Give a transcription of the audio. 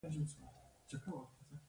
عناب د فراه نښه ده.